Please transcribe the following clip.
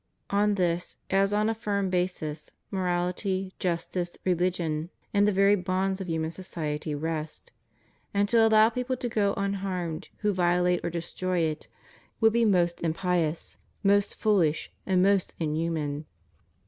On this, as on a firm basis, morality, justice, religion, and the very bonds of human society rest : and to allow people to go unharmed who violate or destroy it, would be most impious, most foolish, and most inhuman.